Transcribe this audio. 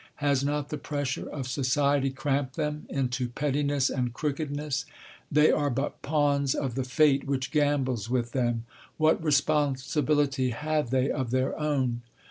"Has not the pressure of society cramped them into pettiness and crookedness? They are but pawns of the fate which gambles with them. What responsibility have they of their own?"